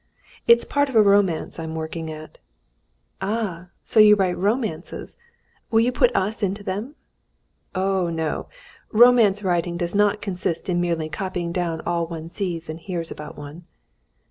"It's part of a romance I'm working at." "Ah, so you write romances! Will you put us into them?" "Oh, no! Romance writing does not consist in merely copying down all that one sees and hears about one."